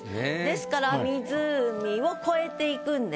ですから湖を越えていくんですね。